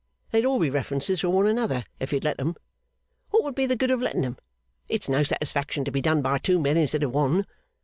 They'd all be references for one another, if you'd let 'em. What would be the good of letting 'em? It's no satisfaction to be done by two men instead of one.